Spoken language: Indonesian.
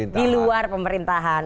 di luar pemerintahan